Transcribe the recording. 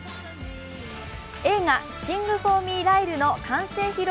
映画「シング・フォー・ミー、ライル」の完成披露